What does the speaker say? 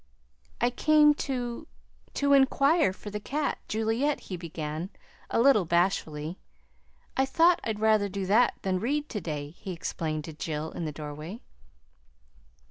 "I came to to inquire for the cat Juliette," he began, a little bashfully. "I thought I'd rather do that than read to day," he explained to Jill in the doorway.